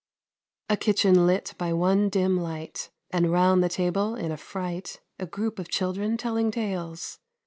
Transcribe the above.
A kitchen lit by one dim light, And 'round the table in affright, A group of children telling tales.